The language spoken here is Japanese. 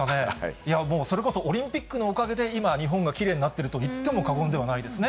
いやもう、それこそオリンピックのおかげで今、日本がきれいになってると言っても過言ではないですね。